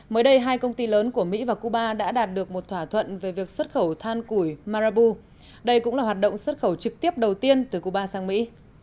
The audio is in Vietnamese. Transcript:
mới đây hai công ty lớn của mỹ và cuba đã đạt được một thỏa thuận về việc xuất khẩu than củi marabu đây cũng là hoạt động xuất khẩu trực tiếp đầu tiên từ cuba sang mỹ